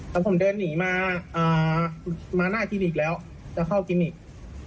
ครับผมเดินหนีมามาหน้าทีมิกแล้วแล้วเข้าทีมิก